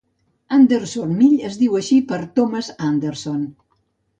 Anderson Mill es diu així per Thomas Anderson.